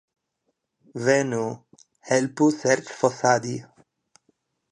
Venu, helpu serĉfosadi.